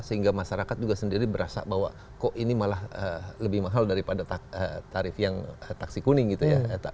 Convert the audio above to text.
sehingga masyarakat juga sendiri berasa bahwa kok ini malah lebih mahal daripada tarif yang taksi kuning gitu ya